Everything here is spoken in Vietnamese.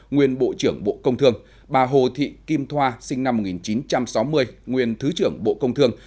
nguyên bộ trưởng bộ công thương bà hồ thị kim thoa sinh năm một nghìn chín trăm sáu mươi nguyên thứ trưởng bộ công thương